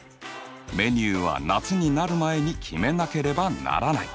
メニューは夏になる前に決めなければならない。